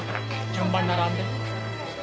順番に並んで。